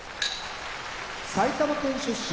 埼玉県出身